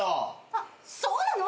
あっそうなの？